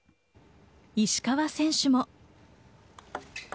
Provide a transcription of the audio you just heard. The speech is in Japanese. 石川選手も。